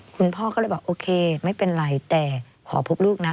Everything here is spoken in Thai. คุณพ่อก็เลยบอกโอเคไม่เป็นไรแต่ขอพบลูกนะ